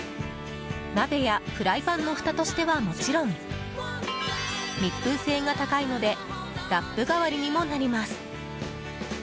鍋やフライパンのふたとしてはもちろん密封性が高いのでラップ代わりにもなります。